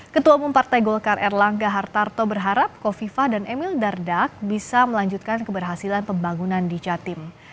ketua umum partai golkar erlangga hartarto berharap kofifa dan emil dardak bisa melanjutkan keberhasilan pembangunan di jatim